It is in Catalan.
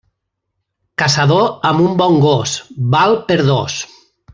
Caçador amb un bon gos, val per dos.